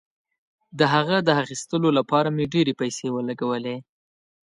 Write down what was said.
د هغه د اخیستلو لپاره مې ډیرې پیسې ولګولې.